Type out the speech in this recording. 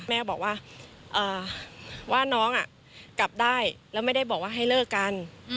แม่บอกว่าว่าน้องกลับได้แล้วไม่ได้บอกว่าให้เลิกกัน